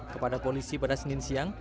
kepada polisi pada senin siang